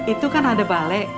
itu kan ada balai